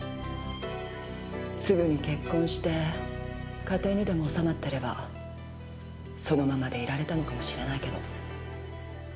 すぐに結婚して家庭にでも納まってればそのままでいられたのかもしれないけど。